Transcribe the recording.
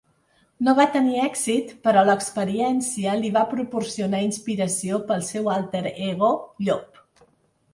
No va tenir èxit, però la experiència li va proporcionar inspiració pel seu alter-ego "Llop".